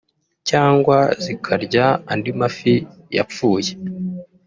cyangwa zikarya andi mafi yapfuye